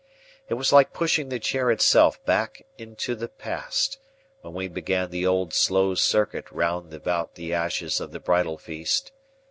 It was like pushing the chair itself back into the past, when we began the old slow circuit round about the ashes of the bridal feast.